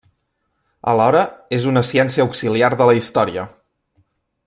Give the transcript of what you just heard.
Alhora és una ciència auxiliar de la història.